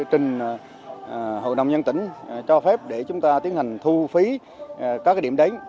sẽ đưa trình hội đồng nhân tỉnh cho phép để chúng ta tiến hành thu phí các cái điểm đến